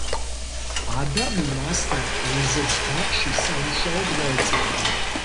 ადამი მასთან ეზოს ბაღში სამუშაოდ მოეწყობა.